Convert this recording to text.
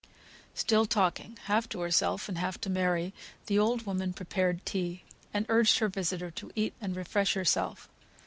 Still talking half to herself and half to Mary, the old woman prepared tea, and urged her visitor to eat and refresh herself.